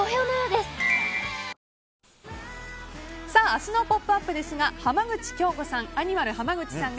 明日の「ポップＵＰ！」ですが浜口京子さん